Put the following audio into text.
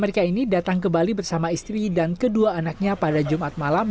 mereka ini datang ke bali bersama istri dan kedua anaknya pada jumat malam